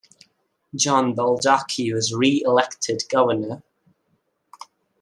John Baldacci was reelected governor.